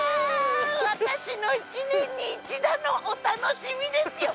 私の一年に一度のお楽しみです！